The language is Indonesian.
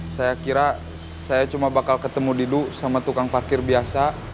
saya kira saya cuma bakal ketemu didu sama tukang parkir biasa